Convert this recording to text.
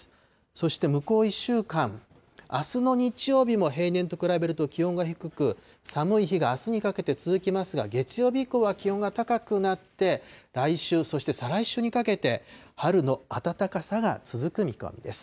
そして向こう１週間、あすの日曜日も平年と比べると気温が低く、寒い日があすにかけて続きますが、月曜日以降は気温が高くなって、来週、そして再来週にかけて、春の暖かさが続く見込みです。